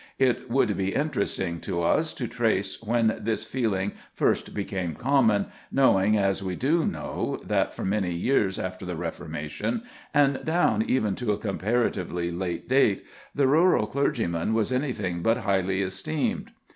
It would be interesting to us to trace when this feeling first became common, knowing as we do know that for many years after the Reformation, and down even to a comparatively late date, the rural clergyman was anything but highly esteemed.